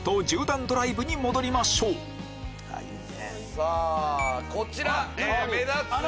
さぁこちら！